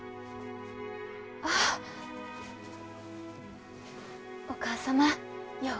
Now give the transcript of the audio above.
あッお義母様よう